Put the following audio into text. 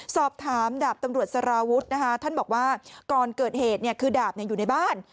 สอบถามดาบตำรวจสารวุฒินะคะท่านบอกว่าก่อนเกิดเหตุคือดาบอยู่ในบ้าน